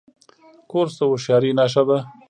کورس د هوښیارۍ نښه ده.